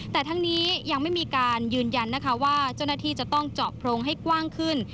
แต่ทั้งนี้ยังไม่มีการยืนยันนะคะว่าเจ้าหน้าที่จะต้องเจาะโพรงให้กว้างขึ้น